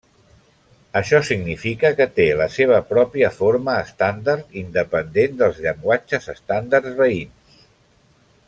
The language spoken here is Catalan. Això significa que té la seva pròpia forma estàndard independent dels llenguatges estàndards veïns.